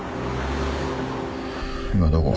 今どこ？